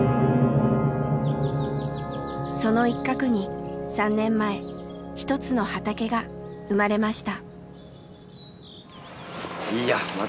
その一角に３年前一つの畑が生まれました。